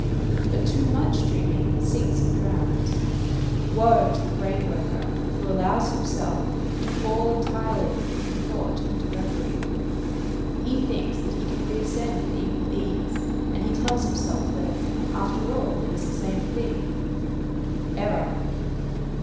But too much dreaming sinks and drowns. Woe to the brain worker who allows himself to fall entirely from thought into reverie! He thinks that he can re ascend with equal ease, and he tells himself that, after all, it is the same thing. Error!